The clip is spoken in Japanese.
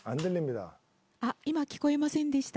今、聞こえませんでした。